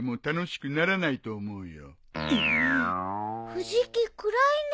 藤木暗いね。